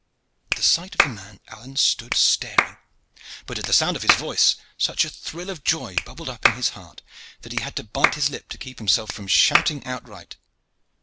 At the sight of the man Alleyne had stood staring, but at the sound of his voice such a thrill of joy bubbled up in his heart that he had to bite his lip to keep himself from shouting outright.